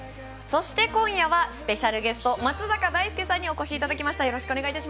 そして今夜はスペシャルゲスト松坂大輔さんにお越しいただきました。